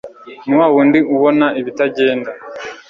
ni wa wundi ubona ibitagenda